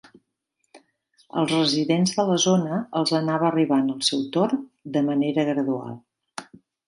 Als residents de la zona els anava arribant el seu torn de manera gradual.